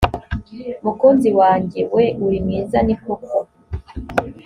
mukunzi wanjye we uri mwiza ni koko